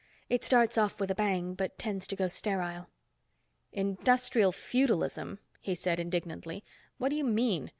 It starts off with a bang, but tends to go sterile." "Industrial feudalism," he said indignantly. "What do you mean?